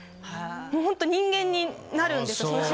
もうホント人間になるんですよ。